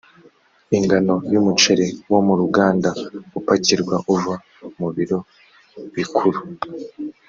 ingano y ‘umuceri wo mu ruganda upakirwa uva mu birobikuru.